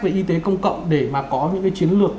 về y tế công cộng để mà có những cái chiến lược